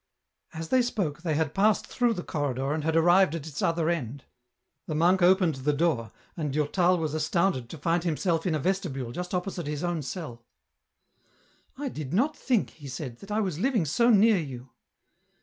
As they spoke, they had passed through the corridor and had arrived at its other end. The monk opened the door, and Durtal was astounded to find himself in a vestibule just opposite his own cell. " I did not think," he said, " that I was living so near you."